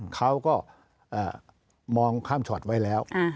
เขาก็มองข้ามช็อตไว้แล้ว